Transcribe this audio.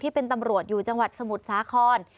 ที่เป็นตำรวจอยู่จังหวัดสมุทรสาข้อน